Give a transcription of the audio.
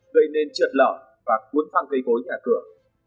gây nên trượt lở và cuốn phăng cây cối nhà cửa